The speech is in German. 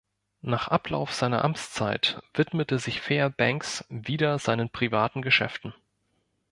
Nach Ablauf seiner Amtszeit widmete sich Fairbanks wieder seinen privaten Geschäften.